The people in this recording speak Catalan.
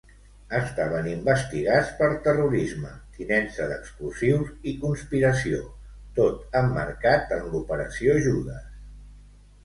Estaven investigats per terrorisme, tinença d'explosius i conspiració, tot emmarcat en l'operació Judes.